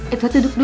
edward duduk dulu